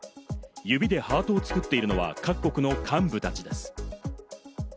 指でハートを作っているのは各国の幹部たちです。